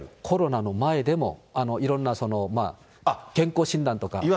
コロナの前でも、いろんな健康診断とか。